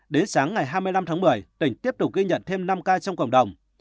đến sáng ngày hai mươi năm tháng một mươi tỉnh tiếp tục ghi nhận thêm năm ca trong cộng đồng